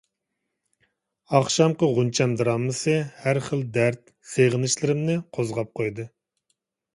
ئاخشامقى غۇنچەم دىرامىسى ھەر خىل دەرد، سېغىنىشلىرىمنى قوزغاپ قويدى.